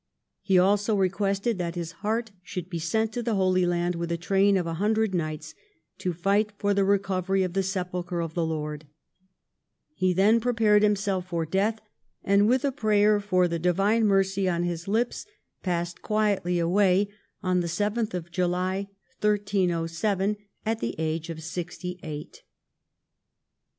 He also requested that his heart should be sent to the Holy Land with a train of a hundred knights to fight for the recovery of the Sepulchre of the Lord. He then prepared himself for death, and, Avith a prayer for the divine mercy on his lips, quietly passed away on 7th July 1307, at the age of sixty eight.